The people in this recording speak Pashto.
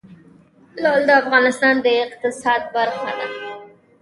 لعل د افغانستان د اقتصاد برخه ده.